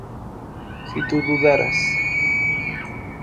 si tu dudaras